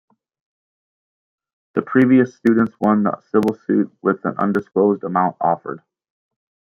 The previous students won the civil suit with an undisclosed amount offered.